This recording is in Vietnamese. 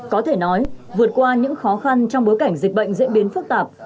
có thể nói vượt qua những khó khăn trong bối cảnh dịch bệnh diễn biến phức tạp